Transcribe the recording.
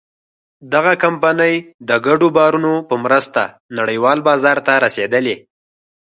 دغه کمپنۍ د ګډو باورونو په مرسته نړۍوال بازار ته رسېدلې.